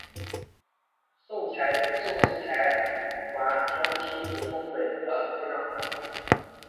盛世才还将其子恭本德吉特推上汗位。